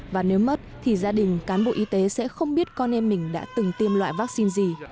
và nếu mất thì gia đình cán bộ y tế sẽ không biết con em mình đã từng tiêm loại vaccine gì